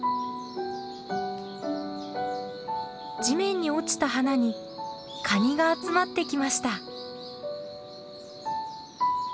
地面に落ちた花にカニが集まってきました。